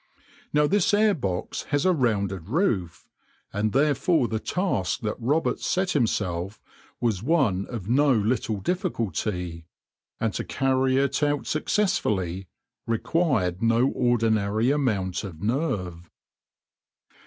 Now this air box has a rounded roof, and therefore the task that Roberts set himself was one of no little difficulty, and to carry it out successfully required no ordinary amount of nerve.